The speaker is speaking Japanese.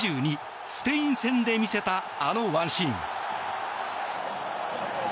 スペイン戦で見せたあのワンシーン。